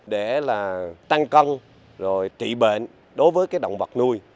để là tăng cân rồi trị bệnh đối với cái động vật nuôi